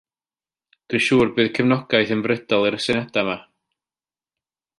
Dwi'n siŵr bydd cefnogaeth unfrydol i'r syniada' 'ma.